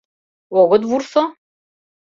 — Огыт вурсо?